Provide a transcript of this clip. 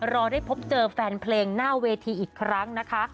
รอได้พบเจอแฟนเพลงหน้าเวทีอีกครั้งนะคะ